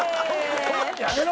やめろ！